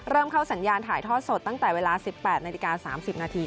เริ่มเข้าสัญญาณถ่ายทอดสดตั้งแต่เวลา๑๘นาฬิกา๓๐นาที